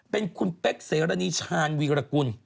เป็นคุณเป๊กเสรณีชาญวีรกุล